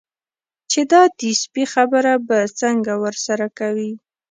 چې دا د سپي خبره به څنګه ورسره کوي.